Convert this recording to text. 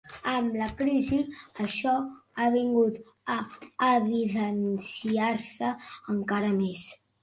Amb la crisi això ha vingut a evidenciar-se encara més.